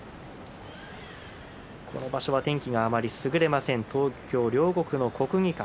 今場所は天気があまりすぐれません、両国の国技館。